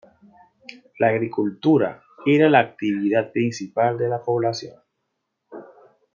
La agricultura era la actividad principal de la población.